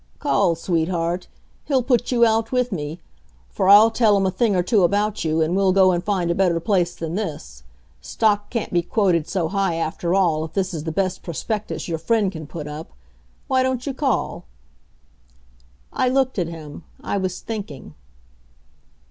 "Call, sweetheart. He'll put you out with me; for I'll tell him a thing or two about you, and we'll go and find a better place than this. Stock can't be quoted so high, after all, if this is the best prospectus your friend can put up.... Why don't you call?" I looked at him. I was thinking.